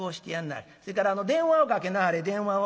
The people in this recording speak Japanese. それから電話をかけなはれ電話を。